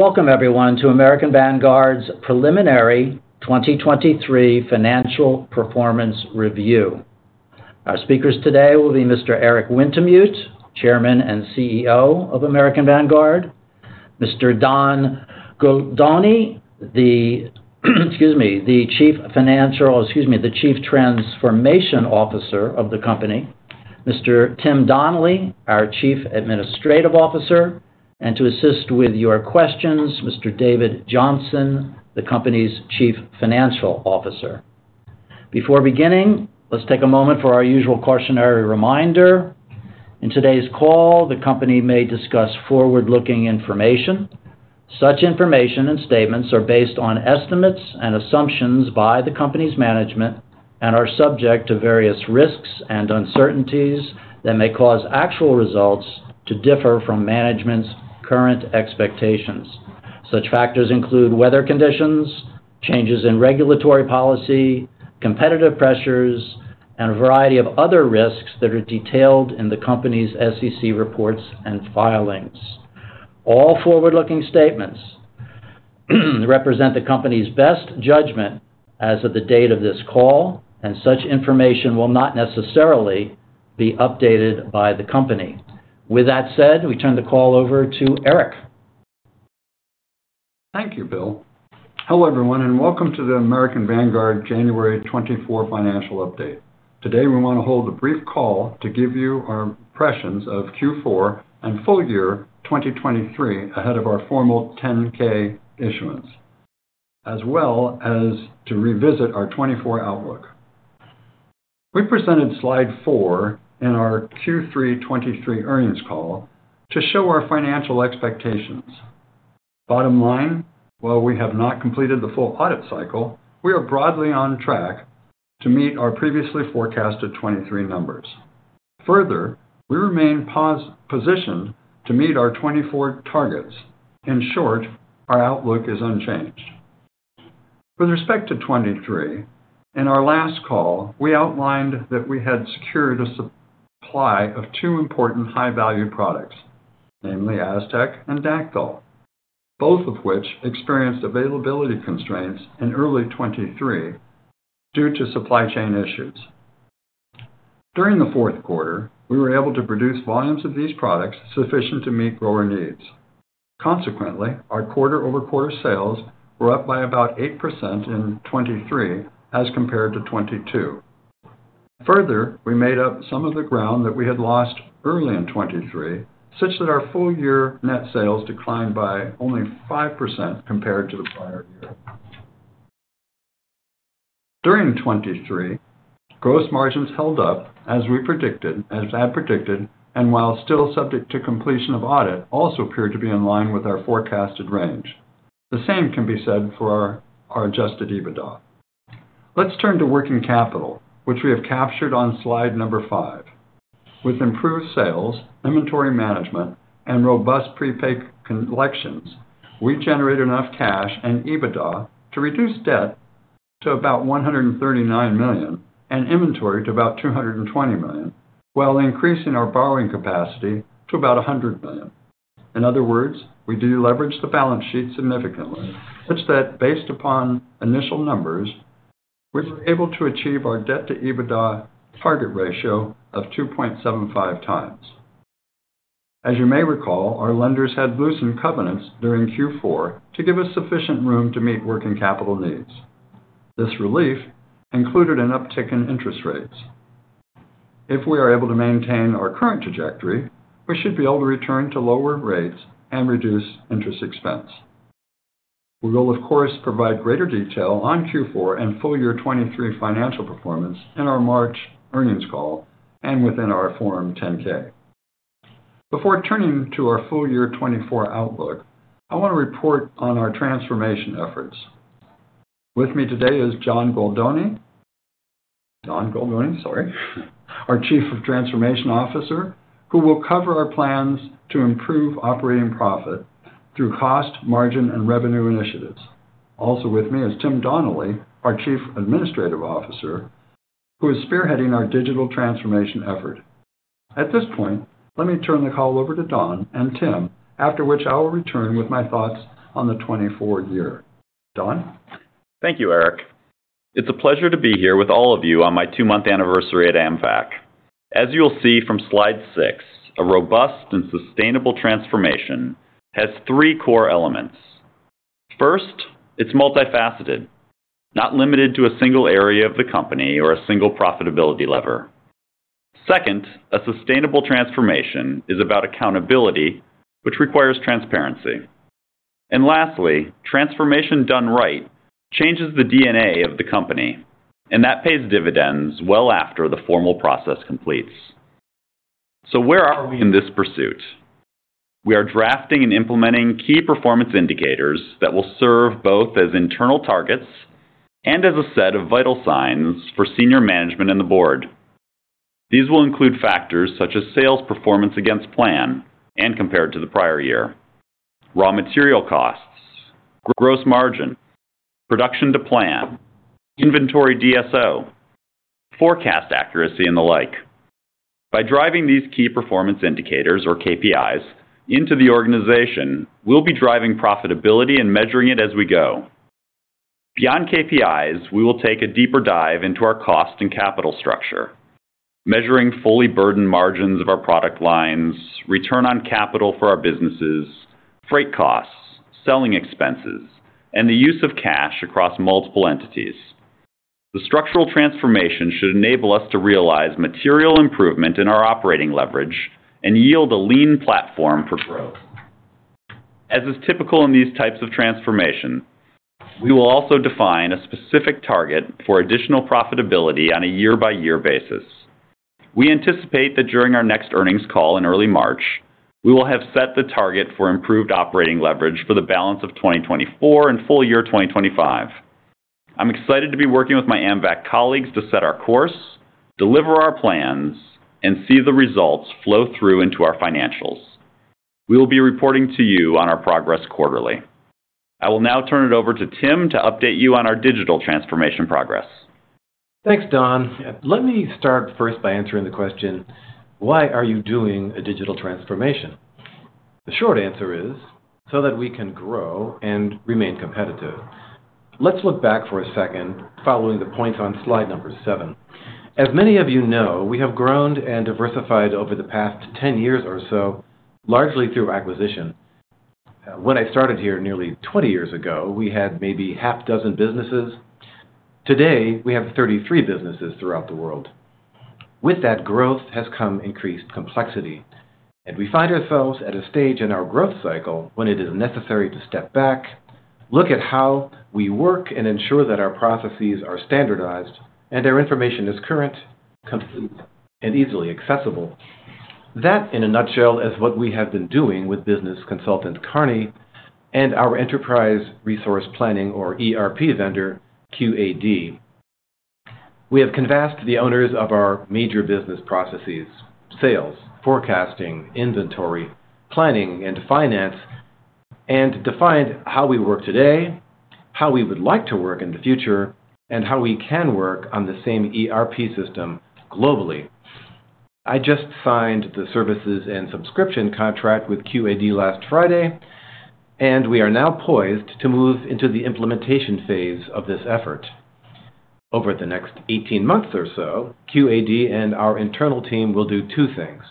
Welcome everyone to American Vanguard's preliminary 2023 financial performance review. Our speakers today will be Mr. Eric Wintemute, Chairman and CEO of American Vanguard, Mr. Don Gualdoni, the Chief Transformation Officer of the company, Mr. Tim Donnelly, our Chief Administrative Officer, and to assist with your questions, Mr. David Johnson, the company's Chief Financial Officer. Before beginning, let's take a moment for our usual cautionary reminder. In today's call, the company may discuss forward-looking information. Such information and statements are based on estimates and assumptions by the company's management and are subject to various risks and uncertainties that may cause actual results to differ from management's current expectations. Such factors include weather conditions, changes in regulatory policy, competitive pressures, and a variety of other risks that are detailed in the company's SEC reports and filings. All forward-looking statements represent the company's best judgment as of the date of this call, and such information will not necessarily be updated by the company. With that said, we turn the call over to Eric. Thank you, Bill. Hello, everyone, and welcome to the American Vanguard January 2024 financial update. Today, we want to hold a brief call to give you our impressions of Q4 and full year 2023 ahead of our formal 10-K issuance, as well as to revisit our 2024 outlook. We presented slide four in our Q3 2023 earnings call to show our financial expectations. Bottom line, while we have not completed the full audit cycle, we are broadly on track to meet our previously forecasted 2023 numbers. Further, we remain positioned to meet our 2024 targets. In short, our outlook is unchanged. With respect to 2023, in our last call, we outlined that we had secured a supply of two important high-value products, namely AZTECand Dacthal, both of which experienced availability constraints in early 2023 due to supply chain issues. During the fourth quarter, we were able to produce volumes of these products sufficient to meet grower needs. Consequently, our quarter-over-quarter sales were up by about 8% in 2023 as compared to 2022. Further, we made up some of the ground that we had lost early in 2023, such that our full year net sales declined by only 5% compared to the prior year. During 2023, gross margins held up, as we predicted, as I had predicted, and while still subject to completion of audit, also appeared to be in line with our forecasted range. The same can be said for our adjusted EBITDA. Let's turn to working capital, which we have captured on slide number five with improved sales, inventory management, and robust prepaid collections, we generated enough cash and EBITDA to reduce debt to about $139 million and inventory to about $220 million, while increasing our borrowing capacity to about $100 million. In other words, we deleveraged the balance sheet significantly, such that based upon initial numbers, we were able to achieve our debt to EBITDA target ratio of 2.75x. As you may recall, our lenders had loosened covenants during Q4 to give us sufficient room to meet working capital needs. This relief included an uptick in interest rates. If we are able to maintain our current trajectory, we should be able to return to lower rates and reduce interest expense. We will, of course, provide greater detail on Q4 and full year 2023 financial performance in our March earnings call and within our Form 10-K. Before turning to our full year 2024 outlook, I want to report on our transformation efforts. With me today is Don Gualdoni, Don Gualdoni, sorry, our Chief Transformation Officer, who will cover our plans to improve operating profit through cost, margin, and revenue initiatives. Also with me is Tim Donnelly, our Chief Administrative Officer, who is spearheading our digital transformation effort. At this point, let me turn the call over to Don and Tim, after which I will return with my thoughts on the 2024 year. Don? Thank you, Eric. It's a pleasure to be here with all of you on my two-month anniversary at AMVAC. As you will see from slide six, a robust and sustainable transformation has three core elements. First, it's multifaceted, not limited to a single area of the company or a single profitability lever. Second, a sustainable transformation is about accountability, which requires transparency. And lastly, transformation done right changes the DNA of the company, and that pays dividends well after the formal process completes. So where are we in this pursuit? We are drafting and implementing key performance indicators that will serve both as internal targets and as a set of vital signs for senior management and the board. These will include factors such as sales, performance against plan, and compared to the prior year, raw material costs, gross margin, production to plan, inventory DSO, forecast accuracy, and the like. By driving these key performance indicators, or KPIs, into the organization, we'll be driving profitability and measuring it as we go. Beyond KPIs, we will take a deeper dive into our cost and capital structure, measuring fully burdened margins of our product lines, return on capital for our businesses, freight costs, selling expenses, and the use of cash across multiple entities. The structural transformation should enable us to realize material improvement in our operating leverage and yield a lean platform for growth. As is typical in these types of transformation, we will also define a specific target for additional profitability on a year-by-year basis. We anticipate that during our next earnings call in early March, we will have set the target for improved operating leverage for the balance of 2024 and full year 2025. I'm excited to be working with my AMVAC colleagues to set our course, deliver our plans, and see the results flow through into our financials. We will be reporting to you on our progress quarterly. I will now turn it over to Tim to update you on our digital transformation progress. Thanks, Don. Let me start first by answering the question: Why are you doing a digital transformation? The short answer is so that we can grow and remain competitive. Let's look back for a second, following the point on slide number seven. As many of you know, we have grown and diversified over the past 10 years or so, largely through acquisition. When I started here nearly 20 years ago, we had maybe half dozen businesses. Today, we have 33 businesses throughout the world. With that growth has come increased complexity, and we find ourselves at a stage in our growth cycle when it is necessary to step back, look at how we work, and ensure that our processes are standardized and our information is current, complete, and easily accessible. That, in a nutshell, is what we have been doing with business consultant Kearney and our enterprise resource planning or ERP vendor, QAD. We have canvassed the owners of our major business processes, sales, forecasting, inventory, planning, and finance, and defined how we work today, how we would like to work in the future, and how we can work on the same ERP system globally. I just signed the services and subscription contract with QAD last Friday, and we are now poised to move into the implementation phase of this effort. Over the next 18 months or so, QAD and our internal team will do two things.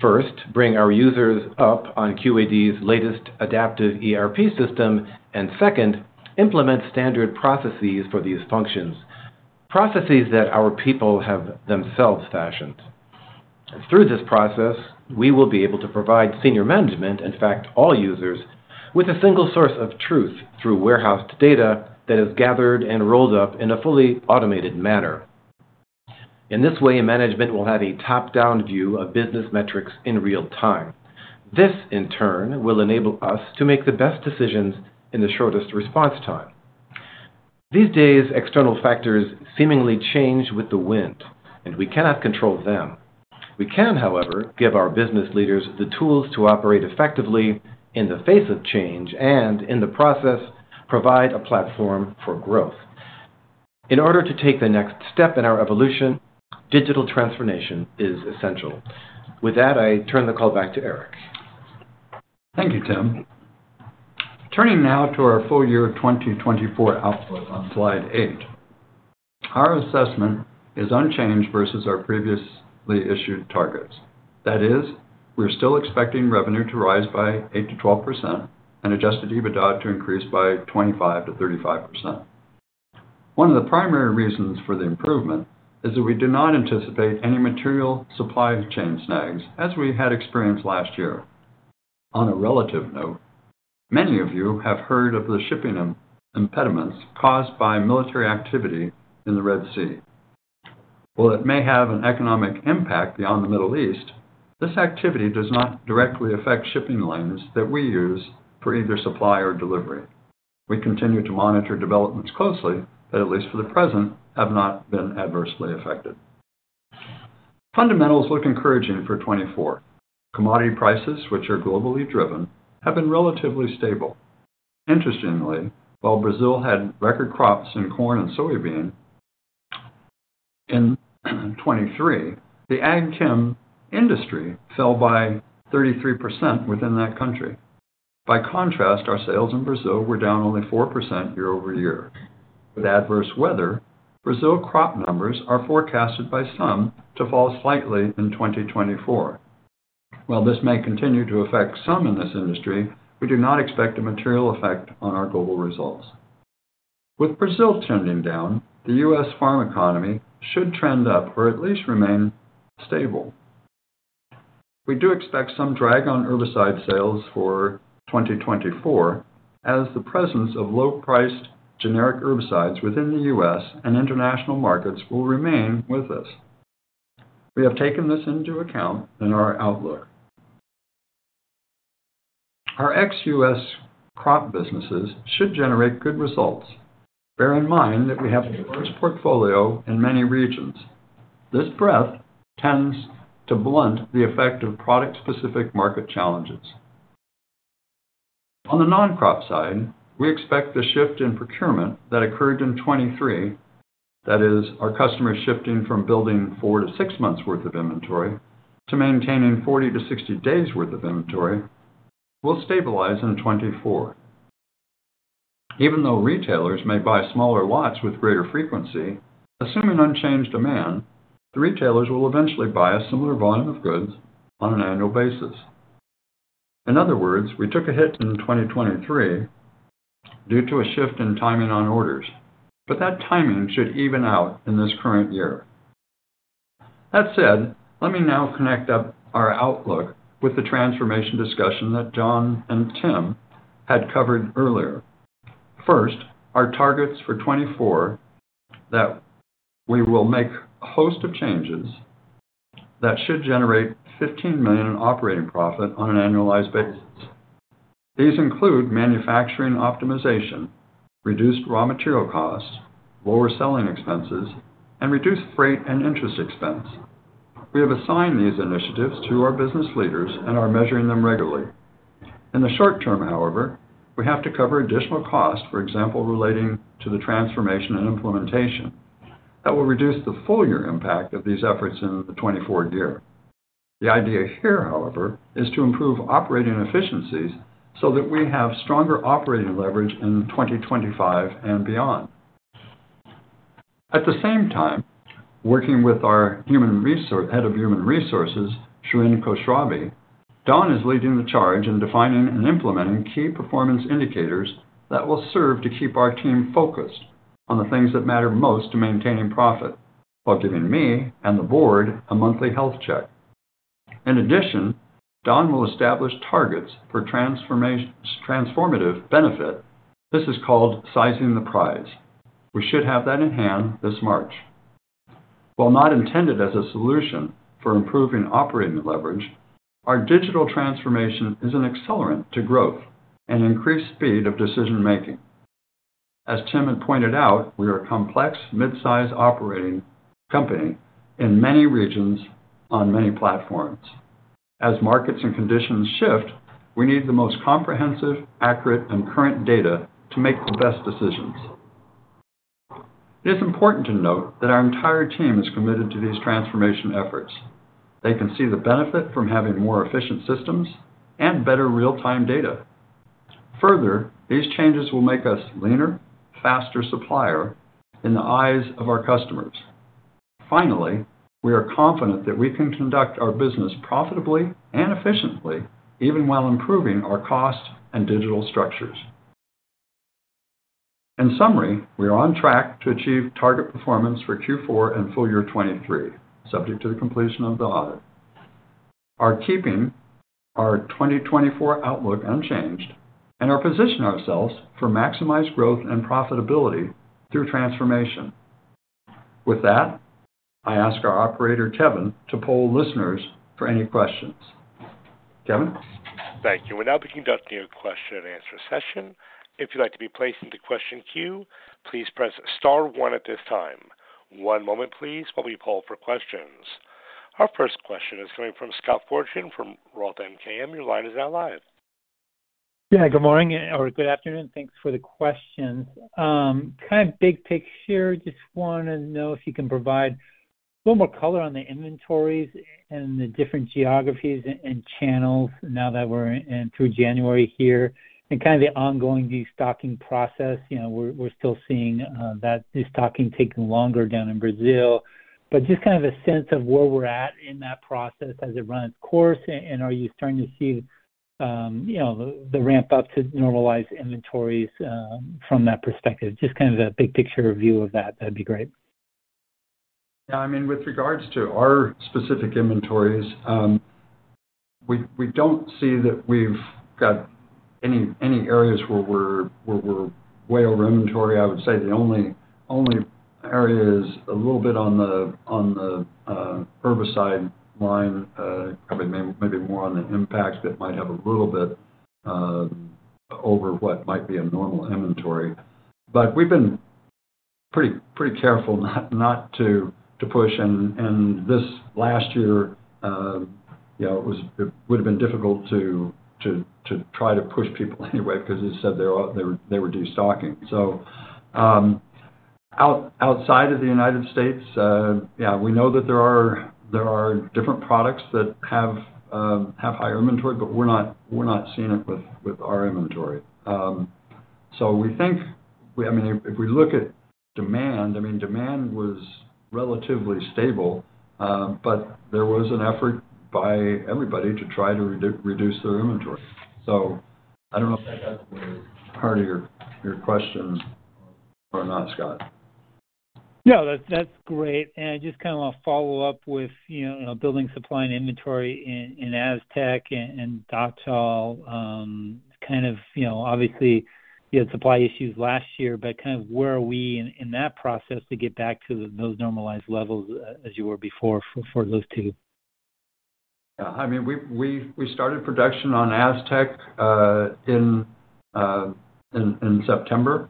First, bring our users up on QAD's latest adaptive ERP system, and second, implement standard processes for these functions, processes that our people have themselves fashioned. Through this process, we will be able to provide senior management, in fact, all users, with a single source of truth through warehoused data that is gathered and rolled up in a fully automated manner. In this way, management will have a top-down view of business metrics in real time. This, in turn, will enable us to make the best decisions in the shortest response time. These days, external factors seemingly change with the wind, and we cannot control them. We can, however, give our business leaders the tools to operate effectively in the face of change and, in the process, provide a platform for growth. In order to take the next step in our evolution, digital transformation is essential. With that, I turn the call back to Eric. Thank you, Tim. Turning now to our full year of 2024 outlook on slide eight. Our assessment is unchanged versus our previously issued targets. That is, we're still expecting revenue to rise by 8%-12% and Adjusted EBITDA to increase by 25%-35%. One of the primary reasons for the improvement is that we do not anticipate any material supply chain snags as we had experienced last year. On a relative note, many of you have heard of the shipping impediments caused by military activity in the Red Sea. While it may have an economic impact beyond the Middle East, this activity does not directly affect shipping lines that we use for either supply or delivery. We continue to monitor developments closely that, at least for the present, have not been adversely affected. Fundamentals look encouraging for 2024. Commodity prices, which are globally driven, have been relatively stable. Interestingly, while Brazil had record crops in corn and soybean in 2023, the ag chem industry fell by 33% within that country. By contrast, our sales in Brazil were down only 4% year over year. With adverse weather, Brazil crop numbers are forecasted by some to fall slightly in 2024. While this may continue to affect some in this industry, we do not expect a material effect on our global results. With Brazil trending down, the U.S. farm economy should trend up or at least remain stable. We do expect some drag on herbicide sales for 2024, as the presence of low-priced generic herbicides within the U.S. and international markets will remain with us. We have taken this into account in our outlook. Our ex-U.S. crop businesses should generate good results. Bear in mind that we have the first portfolio in many regions. This breadth tends to blunt the effect of product-specific market challenges... On the non-crop side, we expect the shift in procurement that occurred in 2023, that is, our customers shifting from building four-six months worth of inventory to maintaining 40-60 days worth of inventory, will stabilize in 2024. Even though retailers may buy smaller lots with greater frequency, assuming unchanged demand, the retailers will eventually buy a similar volume of goods on an annual basis. In other words, we took a hit in 2023 due to a shift in timing on orders, but that timing should even out in this current year. That said, let me now connect up our outlook with the transformation discussion that Don and Tim had covered earlier. First, our targets for 2024, that we will make a host of changes that should generate $15 million in operating profit on an annualized basis. These include manufacturing optimization, reduced raw material costs, lower selling expenses, and reduced freight and interest expense. We have assigned these initiatives to our business leaders and are measuring them regularly. In the short term, however, we have to cover additional costs, for example, relating to the transformation and implementation. That will reduce the full year impact of these efforts in the 2024 year. The idea here, however, is to improve operating efficiencies so that we have stronger operating leverage in 2025 and beyond. At the same time, working with our Head of Human Resources, Shirin Khosravi, Don is leading the charge in defining and implementing key performance indicators that will serve to keep our team focused on the things that matter most to maintaining profit, while giving me and the board a monthly health check. In addition, Don will establish targets for transformative benefit. This is called sizing the prize. We should have that in hand this March. While not intended as a solution for improving operating leverage, our digital transformation is an accelerant to growth and increased speed of decision-making. As Tim had pointed out, we are a complex mid-size operating company in many regions, on many platforms. As markets and conditions shift, we need the most comprehensive, accurate, and current data to make the best decisions. It is important to note that our entire team is committed to these transformation efforts. They can see the benefit from having more efficient systems and better real-time data. Further, these changes will make us leaner, faster supplier in the eyes of our customers. Finally, we are confident that we can conduct our business profitably and efficiently, even while improving our cost and digital structures. In summary, we are on track to achieve target performance for Q4 and full year 2023, subject to the completion of the audit. Are keeping our 2024 outlook unchanged and are positioning ourselves for maximized growth and profitability through transformation. With that, I ask our operator, Kevin, to poll listeners for any questions. Kevin? Thank you. We're now beginning the question and answer session. If you'd like to be placed into question queue, please press star one at this time. One moment please, while we poll for questions. Our first question is coming from Scott Fortune from Roth MKM. Your line is now live. Yeah, good morning or good afternoon. Thanks for the questions. Kind of big picture, just want to know if you can provide a little more color on the inventories and the different geographies and channels now that we're in through January here, and kind of the ongoing destocking process. You know, we're, we're still seeing that destocking taking longer down in Brazil, but just kind of a sense of where we're at in that process as it runs course. And are you starting to see, you know, the ramp-up to normalized inventories, from that perspective? Just kind of a big picture view of that, that'd be great. Yeah, I mean, with regards to our specific inventories, we don't see that we've got any areas where we're way over inventory. I would say the only area is a little bit on the herbicide line, probably maybe more on the Impact, but might have a little bit over what might be a normal inventory. But we've been pretty careful not to push. And this last year, you know, it would have been difficult to try to push people anyway because as I said, they were destocking. So, outside of the United States, yeah, we know that there are different products that have higher inventory, but we're not seeing it with our inventory. So we think...I mean, if we look at demand, I mean, demand was relatively stable, but there was an effort by everybody to try to reduce their inventory. So I don't know if that answered part of your, your question or not, Scott. No, that's, that's great. And I just kind of want to follow up with, you know, building supply and inventory in, in AZTEC and Dacthal. Kind of, you know, obviously, you had supply issues last year, but kind of where are we in, in that process to get back to those normalized levels as you were before for, for those two? Yeah. I mean, we started production on AZTEC in September.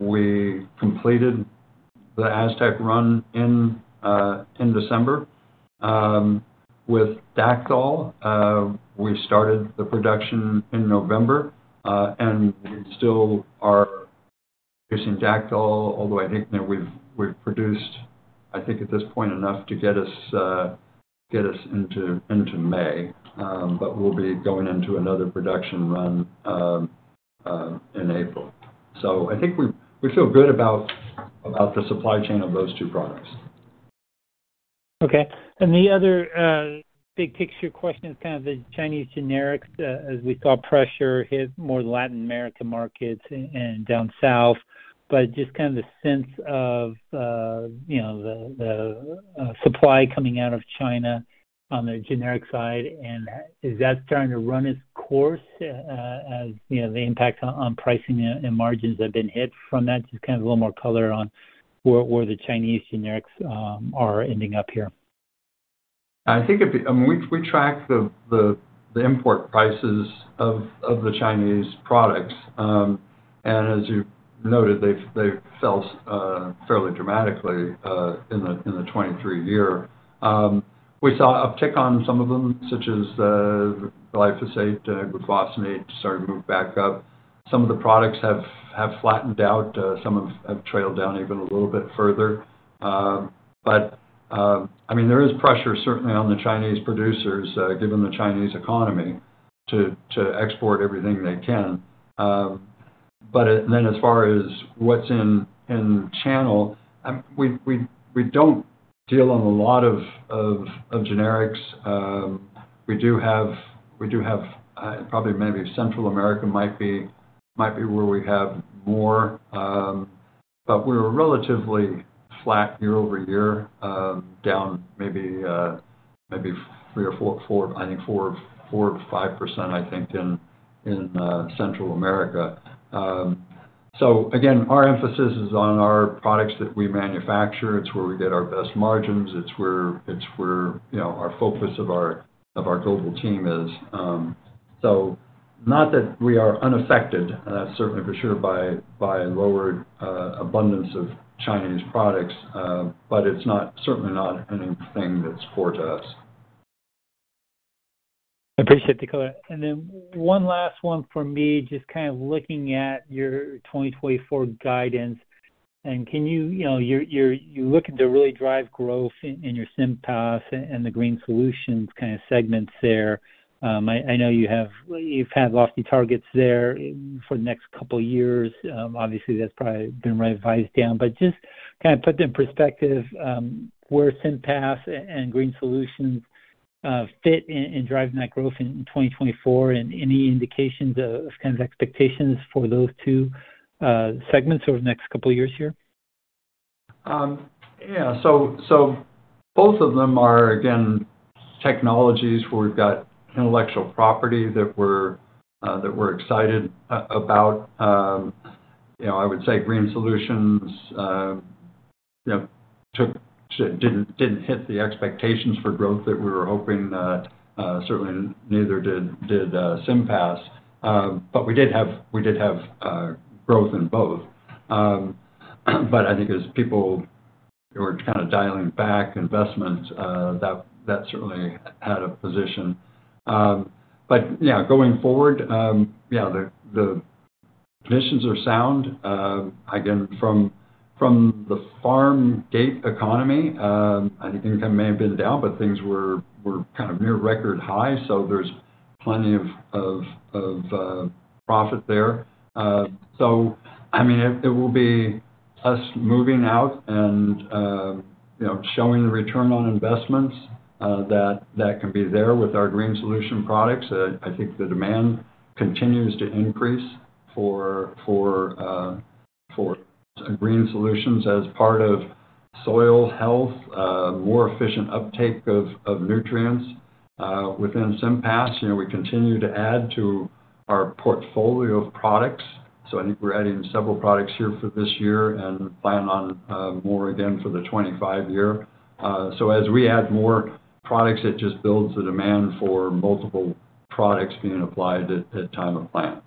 We completed the AZTEC run in December. With Dacthal, we started the production in November, and we still are producing Dacthal, although I think that we've produced, I think, at this point, enough to get us into May. But we'll be going into another production run in April. So I think we feel good about the supply chain of those two products. Okay. And the other, big-picture question is kind of the Chinese generics, as we saw pressure hit more Latin American markets and down south, but just kind of the sense of, you know, the supply coming out of China on the generic side, and, is that starting to run its course, as, you know, the impact on pricing and margins have been hit from that? Just kind of a little more color on where the Chinese generics are ending up here. I think if, I mean, we track the import prices of the Chinese products. And as you've noted, they've fell fairly dramatically in the 2023 year. We saw uptick on some of them, such as glyphosate, glufosinate, started to move back up. Some of the products have flattened out, some have trailed down even a little bit further. But I mean, there is pressure certainly on the Chinese producers, given the Chinese economy, to export everything they can. But then as far as what's in the channel, we don't deal on a lot of generics. We do have, we do have, probably maybe Central America might be, might be where we have more, but we were relatively flat year-over-year, down maybe maybe three or four-four, I think four, 4%-5%, I think, in Central America. So again, our emphasis is on our products that we manufacture. It's where we get our best margins, it's where, you know, our focus of our, of our global team is. So not that we are unaffected, certainly for sure, by lowered abundance of Chinese products, but it's not, certainly not anything that's core to us. I appreciate the color. And then one last one for me, just kind of looking at your 2024 guidance. And can you, you know, you look to really drive growth in your SIMPAS and the GreenSolutions kind of segments there. I know you have, well, you've had lofty targets there for the next couple of years. Obviously, that's probably been revised down, but just kind of put in perspective where SIMPAS and GreenSolutions fit in driving that growth in 2024, and any indications of kind of expectations for those two segments over the next couple of years here? Yeah. So both of them are, again, technologies where we've got intellectual property that we're excited about. You know, I would say Green Solutions, you know, didn't hit the expectations for growth that we were hoping. Certainly, neither did SIMPAS. But we did have growth in both. But I think as people were kind of dialing back investments, that certainly had a position. But yeah, going forward, yeah, the positions are sound. Again, from the farm gate economy, I think income may have been down, but things were kind of near record high, so there's plenty of profit there. So I mean, it will be us moving out and, you know, showing the return on investments that can be there with our GreenSolutions products. I think the demand continues to increase for GreenSolutions as part of soil health, more efficient uptake of nutrients. Within SIMPAS, you know, we continue to add to our portfolio of products. So I think we're adding several products here for this year and plan on more again for the 2025 year. So as we add more products, it just builds the demand for multiple products being applied at time of plant.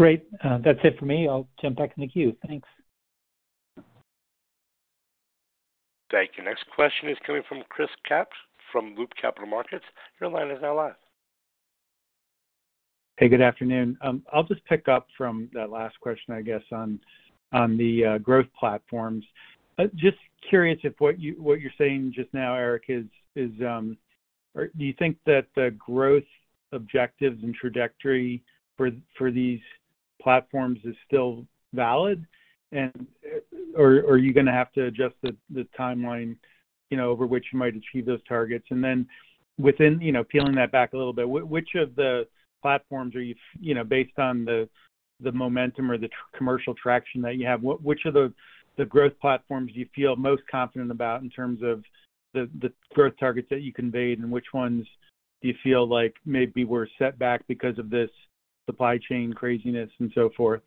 Great. That's it for me. I'll jump back in the queue. Thanks. Thank you. Next question is coming from Chris Kapsch from Loop Capital Markets. Your line is now live. Hey, good afternoon. I'll just pick up from that last question, I guess, on the growth platforms. Just curious if what you're saying just now, Eric, is or do you think that the growth objectives and trajectory for these platforms is still valid? And, or are you gonna have to adjust the timeline, you know, over which you might achieve those targets? And then within you know, peeling that back a little bit, which of the platforms are you you know, based on the, the momentum or the commercial traction that you have, which of the, the growth platforms do you feel most confident about in terms of the, the growth targets that you conveyed, and which ones do you feel like maybe were set back because of this supply chain craziness and so forth?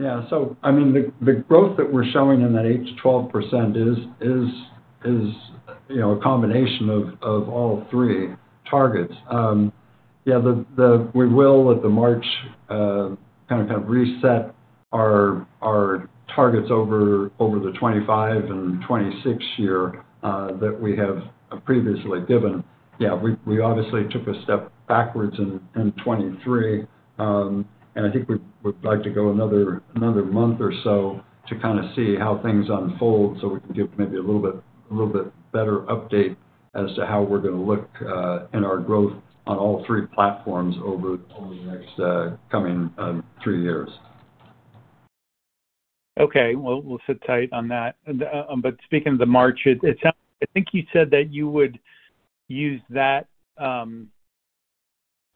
Yeah. So I mean, the growth that we're showing in that 8%-12% is, you know, a combination of all three targets. Yeah, we will, at the March, kind of reset our targets over the 2025 and 2026 year that we have previously given. Yeah, we obviously took a step backwards in 2023. And I think we would like to go another month or so to kind of see how things unfold, so we can give maybe a little bit better update as to how we're going to look in our growth on all three platforms over the next coming three years. Okay, well, we'll sit tight on that. But speaking of the March, it sounds. I think you said that you would use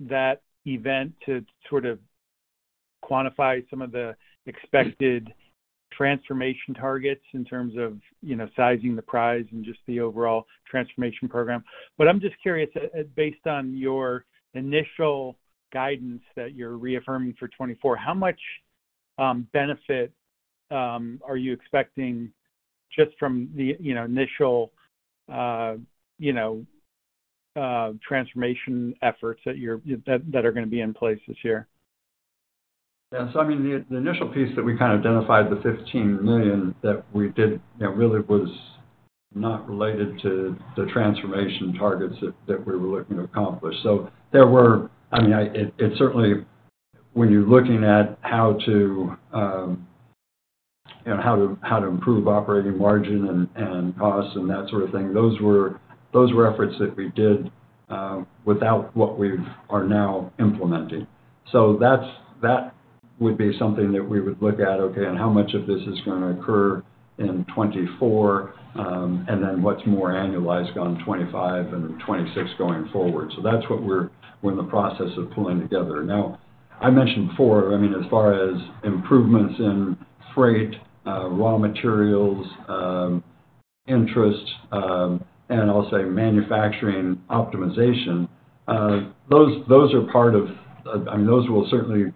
that event to sort of quantify some of the expected transformation targets in terms of, you know, sizing the prize and just the overall transformation program. But I'm just curious, based on your initial guidance that you're reaffirming for 2024, how much benefit are you expecting just from the, you know, initial transformation efforts that are going to be in place this year? Yeah. So I mean, the initial piece that we kind of identified, the $15 million that we did, you know, really was not related to the transformation targets that we were looking to accomplish. So there were... I mean, it certainly, when you're looking at how to, you know, how to improve operating margin and costs and that sort of thing, those were efforts that we did without what we are now implementing. So that's something that we would look at, okay, and how much of this is going to occur in 2024, and then what's more annualized on 2025 and 2026 going forward? So that's what we're in the process of pulling together. Now, I mentioned before, I mean, as far as improvements in freight, raw materials, interest, and I'll say manufacturing optimization, those are part of, I mean, those will certainly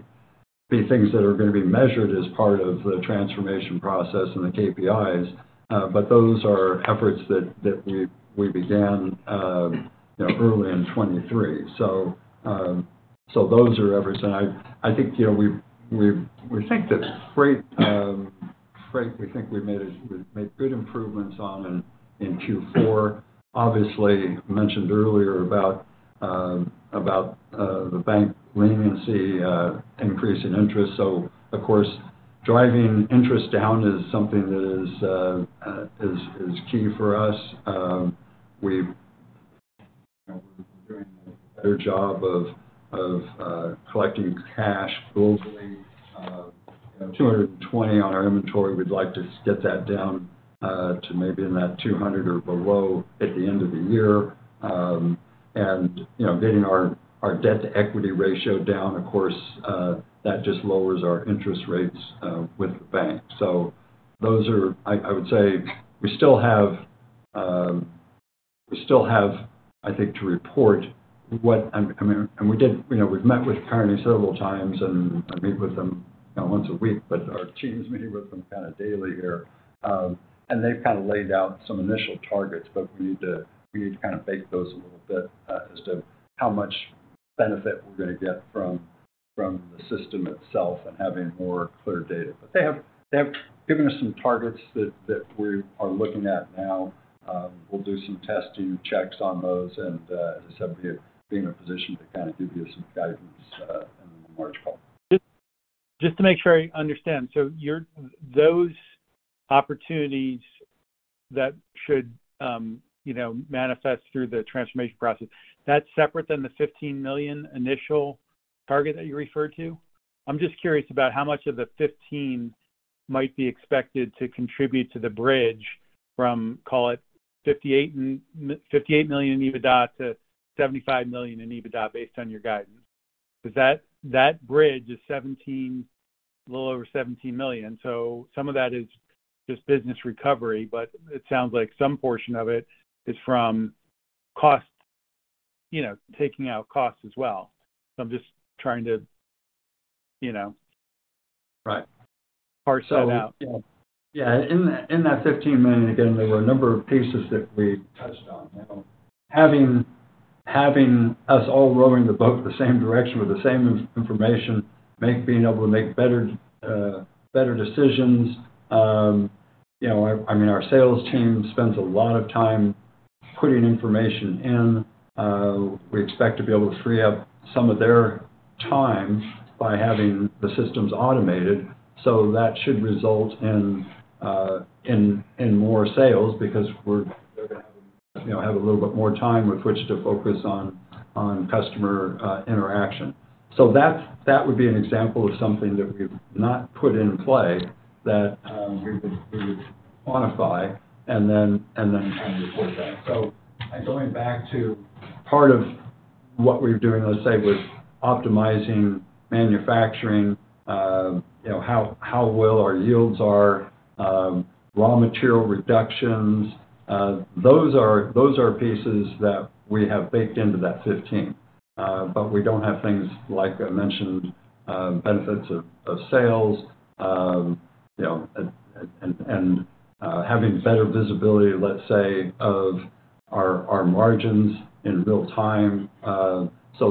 be things that are going to be measured as part of the transformation process and the KPIs. But those are efforts that we began, you know, early in 2023. So those are efforts. And I think, you know, we think that freight, we think we've made good improvements on in Q4. Obviously, mentioned earlier about the bank line increase in interest. So of course, driving interest down is something that is key for us. We, you know, we're doing a better job of collecting cash globally $220 on our inventory, we'd like to get that down to maybe in that $200 or below at the end of the year. You know, getting our debt to equity ratio down, of course, that just lowers our interest rates with the bank. So those are. I would say we still have, I think, to report, I mean, and we did, you know, we've met with Kearney several times and meet with them, you know, once a week, but our team is meeting with them kind of daily here. They've kind of laid out some initial targets, but we need to, we need to kind of bake those a little bit, as to how much benefit we're going to get from, from the system itself and having more clear data. But they have, they have given us some targets that, that we are looking at now. We'll do some testing checks on those, and, as I said, we be in a position to kind of give you some guidance, in the March call. Just to make sure I understand. So you're, those opportunities that should, you know, manifest through the transformation process, that's separate than the $15 million initial target that you referred to? I'm just curious about how much of the 15 might be expected to contribute to the bridge from, call it 58 and, $58 million in EBITDA to $75 million in EBITDA, based on your guidance. Because that, that bridge is 17, a little over $17 million. So some of that is just business recovery, but it sounds like some portion of it is from cost, you know, taking out costs as well. So I'm just trying to, you know- Right. Part that out. Yeah. In that $15 million, again, there were a number of pieces that we touched on. You know, having us all rowing the boat the same direction with the same information, being able to make better decisions, you know, I mean, our sales team spends a lot of time putting information in. We expect to be able to free up some of their time by having the systems automated, so that should result in more sales because we're, you know, have a little bit more time with which to focus on customer interaction. So that would be an example of something that we've not put in play that we would quantify and then kind of report back. So going back to part of what we're doing, let's say, with optimizing manufacturing, you know, how well our yields are, raw material reductions, those are pieces that we have baked into that 15. But we don't have things like I mentioned, benefits of sales, you know, and, and, having better visibility, let's say, of our margins in real time, so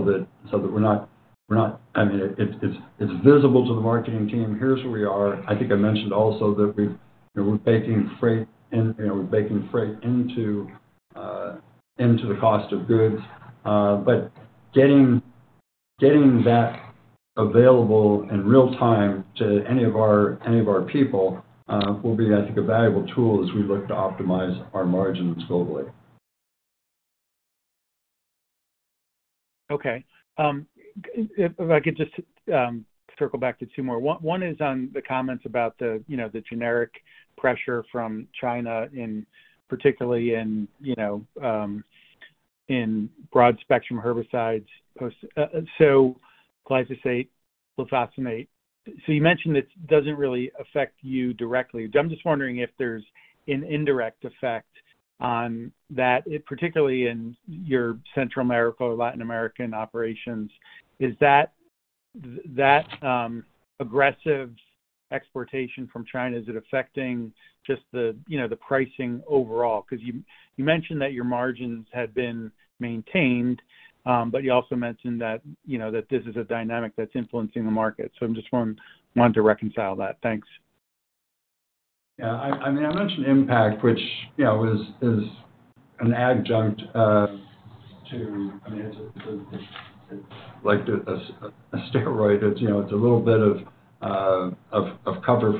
that we're not. We're not. I mean, it's visible to the marketing team. Here's where we are. I think I mentioned also that we've, you know, we're baking freight in, you know, we're baking freight into the cost of goods. But getting that available in real time to any of our people will be, I think, a valuable tool as we look to optimize our margins globally. Okay. If I could just circle back to two more. One is on the comments about the, you know, the generic pressure from China, particularly in, you know, in broad-spectrum herbicides post... so glyphosate, glufosinate. So you mentioned it doesn't really affect you directly. I'm just wondering if there's an indirect effect on that, particularly in your Central America or Latin American operations. Is that aggressive exportation from China, is it affecting just the, you know, the pricing overall? Because you mentioned that your margins had been maintained, but you also mentioned that, you know, that this is a dynamic that's influencing the market. So I just wanted to reconcile that. Thanks. Yeah, I mean, I mentioned Impact, which, you know, is an adjunct to... I mean, it's like a steroid. It's, you know, it's a little bit of cover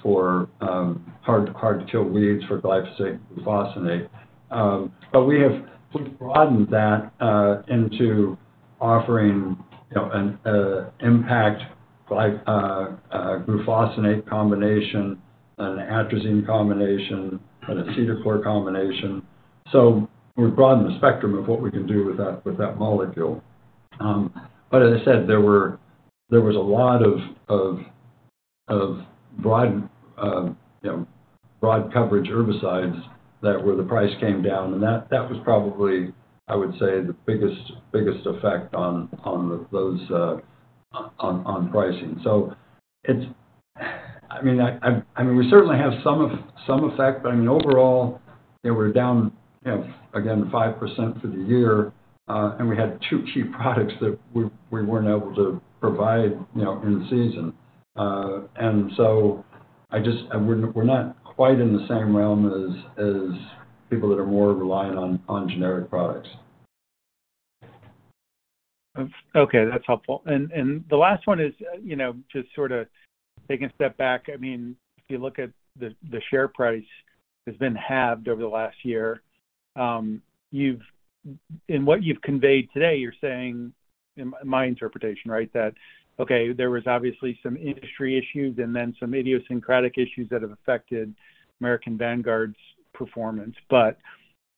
for hard-to-kill weeds for glyphosate, glufosinate. But we have broadened that into offering, you know, an Impact-like glufosinate combination, an atrazine combination, and acetochlor combination. So we've broadened the spectrum of what we can do with that, with that molecule. But as I said, there was a lot of broad coverage herbicides that where the price came down, and that was probably, I would say, the biggest, biggest effect on those on pricing. So it's... I mean, we certainly have some effect, but I mean, overall, they were down, you know, again, 5% for the year, and we had two key products that we weren't able to provide, you know, in season. And so I just. We're not quite in the same realm as people that are more reliant on generic products. Okay, that's helpful. And the last one is, you know, just sort of taking a step back. I mean, if you look at the share price has been halved over the last year. You've-- In what you've conveyed today, you're saying, in my interpretation, right, that, okay, there was obviously some industry issues and then some idiosyncratic issues that have affected American Vanguard's performance. But,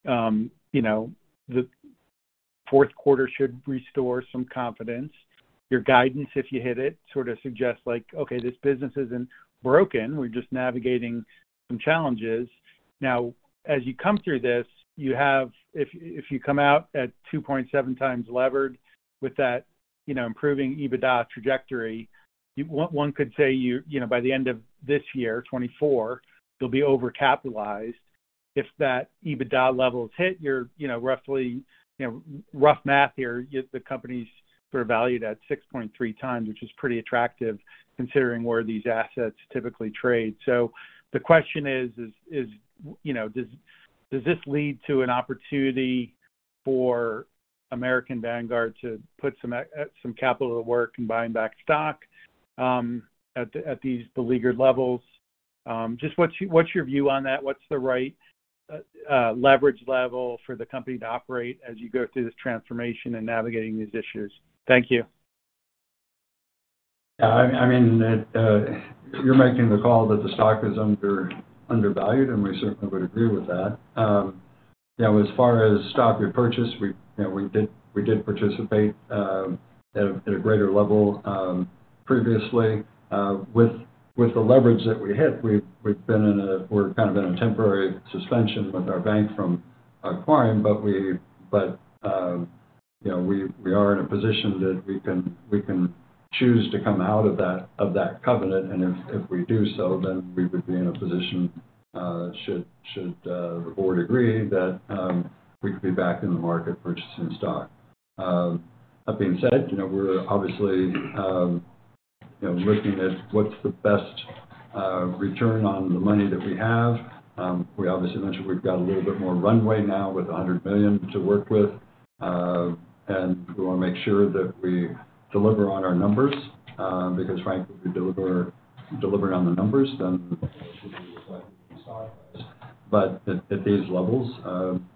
you know, the fourth quarter should restore some confidence. Your guidance, if you hit it, sort of suggests like, okay, this business isn't broken, we're just navigating some challenges. Now, as you come through this, you have... If you come out at 2.7x levered with that, you know, improving EBITDA trajectory, one could say you know, by the end of this year, 2024, you'll be overcapitalized. If that EBITDA level is hit, you're, you know, roughly, you know, rough math here, the company's sort of valued at 6.3x, which is pretty attractive, considering where these assets typically trade. So the question is, you know, does this lead to an opportunity for American Vanguard to put some capital to work and buy back stock at these beleaguered levels? Just what's your view on that? What's the right leverage level for the company to operate as you go through this transformation and navigating these issues? Thank you. Yeah, I mean, you're making the call that the stock is under, undervalued, and we certainly would agree with that. You know, as far as stock repurchase, we, you know, we did participate at a greater level previously. With the leverage that we had, we've been in a-- we're kind of in a temporary suspension with our bank from acquiring, but we, you know, we are in a position that we can choose to come out of that covenant, and if we do so, then we would be in a position, should the board agree that, we could be back in the market purchasing stock. That being said, you know, we're obviously, you know, looking at what's the best return on the money that we have. We obviously mentioned we've got a little bit more runway now with $100 million to work with, and we want to make sure that we deliver on our numbers, because frankly, if we deliver, deliver on the numbers, then we should be able to stabilize. But at, at these levels,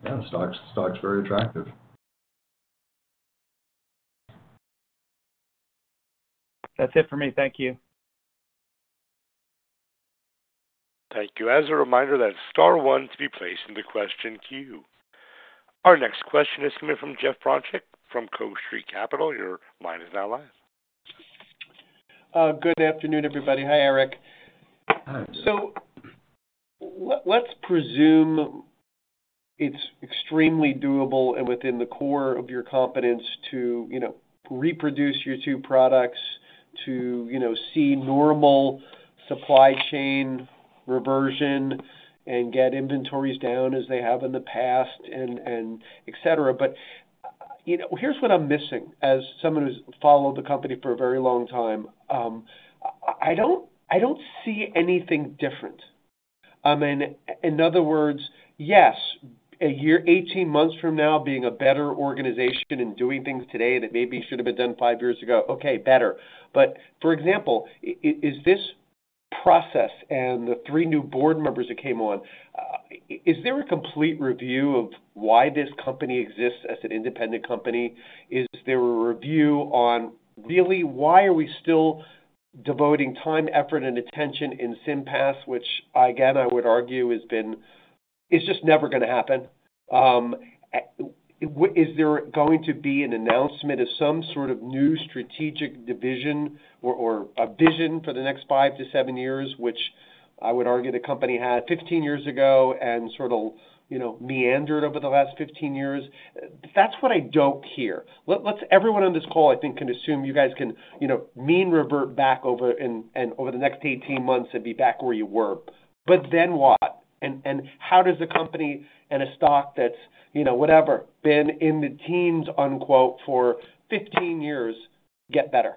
yeah, stock's, stock's very attractive. That's it for me. Thank you. Thank you. As a reminder, that's star one to be placed in the question queue. Our next question is coming from Jeff Bronchick from Cove Street Capital. Your line is now live. Good afternoon, everybody. Hi, Eric. Hi. Let's presume it's extremely doable and within the core of your competence to, you know, reproduce your two product...to, you know, see normal supply chain reversion and get inventories down as they have in the past, and etc.. But, you know, here's what I'm missing, as someone who's followed the company for a very long time, I don't see anything different. I mean, in other words, yes, a year, 18 months from now, being a better organization and doing things today that maybe should have been done five years ago, okay, better. But for example, is this process and the three new board members that came on, is there a complete review of why this company exists as an independent company? Is there a review on really, why are we still devoting time, effort, and attention in SIMPAS, which again, I would argue has been... It's just never gonna happen Is there going to be an announcement of some sort of new strategic division or, or a vision for the next five-seven years, which I would argue the company had 15 years ago and sort of, you know, meandered over the last 15 years? That's what I don't hear. Let's everyone on this call, I think, can assume you guys can, you know, mean revert back over and, and over the next 18 months and be back where you were. But then what? And, and how does a company and a stock that's, you know, whatever, been in the "teens" for 15 years get better?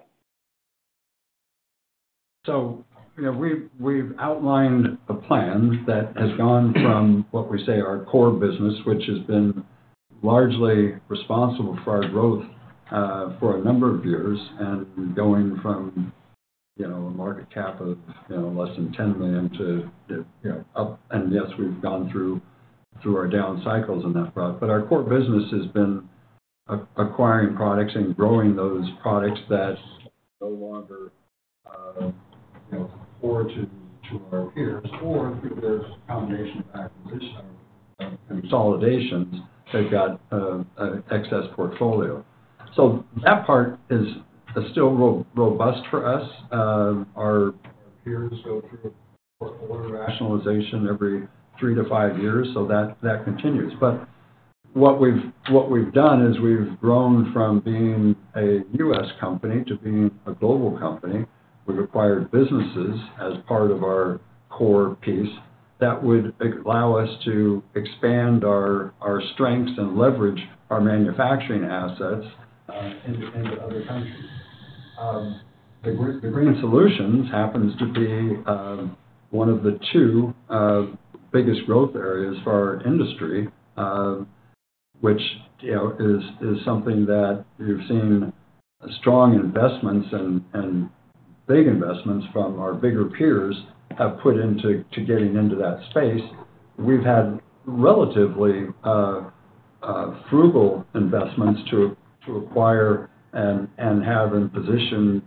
So, you know, we've outlined a plan that has gone from what we say, our core business, which has been largely responsible for our growth, for a number of years, and going from, you know, a market cap of, you know, less than $10 million to, you know, up. And yes, we've gone through through our down cycles in that product. But our core business has been acquiring products and growing those products that no longer, you know, afford to, to our peers, or through their combination of acquisitions and consolidations, they've got, an excess portfolio. So that part is still robust for us. Our peers go through a portfolio rationalization every three-five years, so that continues. But what we've done is we've grown from being a U.S. company to being a global company. We've acquired businesses as part of our core piece that would allow us to expand our strengths and leverage our manufacturing assets into other countries. The GreenSolutions happens to be one of the two biggest growth areas for our industry, which, you know, is something that we've seen strong investments and big investments from our bigger peers have put into getting into that space. We've had relatively frugal investments to acquire and have in position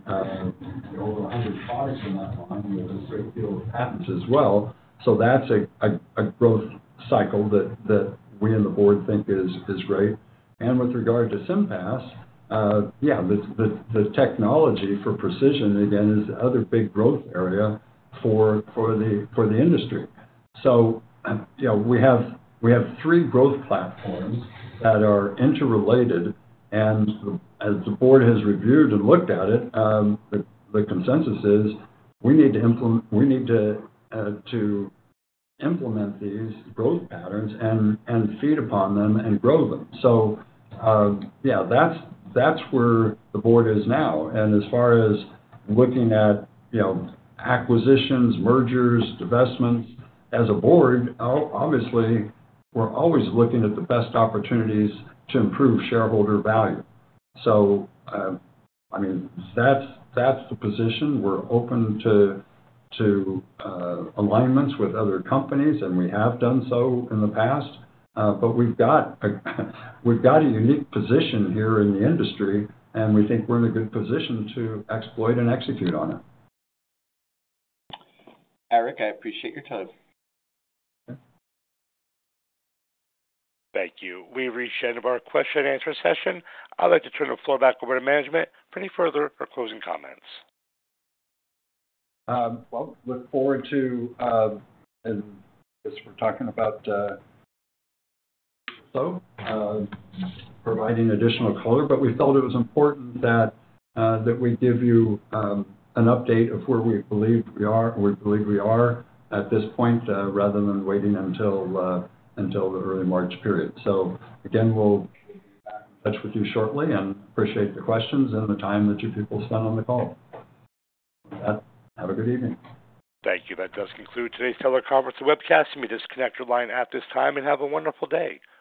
over 100 products in that line with a great deal of patents as well. So that's a growth cycle that we and the board think is great. And with regard to SIMPAS, yeah, the technology for precision, again, is the other big growth area for the industry. So, you know, we have three growth platforms that are interrelated, and as the board has reviewed and looked at it, the consensus is we need to implement these growth patterns and feed upon them and grow them. So, yeah, that's where the board is now. And as far as looking at, you know, acquisitions, mergers, divestments, as a board, obviously, we're always looking at the best opportunities to improve shareholder value. So, I mean, that's the position. We're open to alignments with other companies, and we have done so in the past. But we've got a unique position here in the industry, and we think we're in a good position to exploit and execute on it. Eric, I appreciate your time. Yeah. Thank you. We've reached the end of our question and answer session. I'd like to turn the floor back over to management for any further or closing comments. Well, look forward to, as we're talking about, providing additional color, but we felt it was important that we give you an update of where we believe we are, we believe we are at this point, rather than waiting until the early March period. So again, we'll touch with you shortly, and appreciate the questions and the time that you people spent on the call. With that, have a good evening. Thank you. That does conclude today's teleconference and webcast. You may disconnect your line at this time and have a wonderful day.